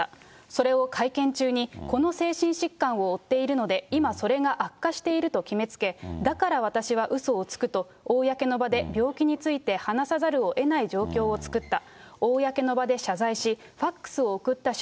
それを会見中に、この精神疾患を負っているので、今それが悪化していると決めつけ、だから私はうそをつくと公の場で病気について話さざるをえない状況を作った。